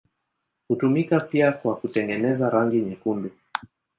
Hutumika pia kwa kutengeneza rangi nyekundu.